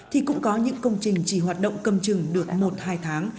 thì cũng có những công trình chỉ hoạt động cầm chừng được một hai tháng